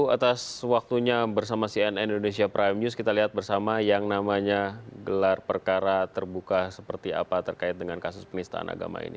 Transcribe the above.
atas waktunya bersama cnn indonesia prime news kita lihat bersama yang namanya gelar perkara terbuka seperti apa terkait dengan kasus penistaan agama ini